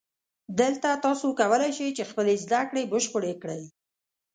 دلته تاسو کولای شئ چې خپلې زده کړې بشپړې کړئ